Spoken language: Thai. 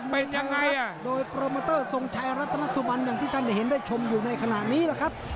เป็นยังไงโดยโปรโมเตอร์ทรงชัยรัตนสุบันอย่างที่ท่านได้เห็นได้ชมอยู่ในขณะนี้แหละครับ